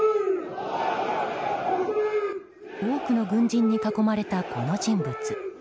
多くの軍人に囲まれた、この人物。